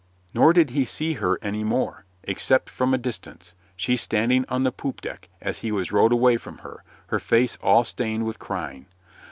Nor did he see her any more, except from a distance, she standing on the poop deck as he was rowed away from her, her face all stained with crying.